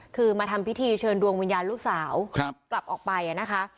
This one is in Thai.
คือมาทำพิธีเชิญดวงวิญญาณลูกสาวกลับออกไปนะคะ